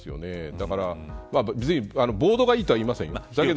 だから別に暴動がいいとは言いませんよ。